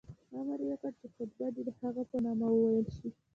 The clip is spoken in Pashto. امر یې وکړ چې خطبه دې د هغه په نامه وویل شي.